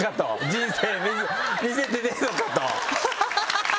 人生見せてねえのかとハハハハ！